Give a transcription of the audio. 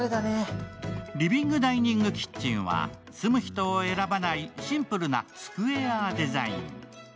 リビングダイニングキッチンは住む人を選ばないシンプルなスクエアデザイン。